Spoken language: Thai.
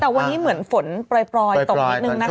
แต่วันนี้เหมือนฝนปล่อยตกนิดนึงนะคะ